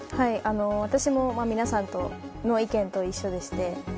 私も皆さんの意見と一緒でして